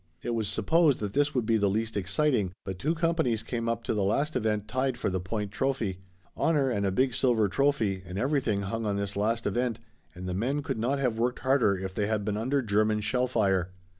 It was supposed that this would be the least exciting, but two companies came up to the last event tied for the point trophy. Honor and a big silver trophy and everything hung on this last event and the men could not have worked harder if they had been under German shellfire.